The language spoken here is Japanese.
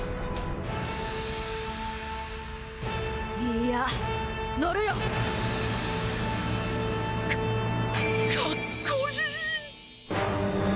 いや乗るよ！かかっこいい！